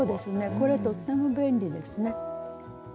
これとっても便利ですね。